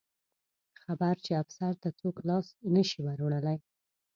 خبر چې افسر ته څوک لاس نه شي وروړلی.